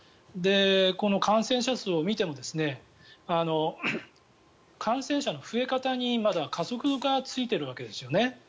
この感染者数を見ても感染者の増え方にまだ加速がついているわけですよね。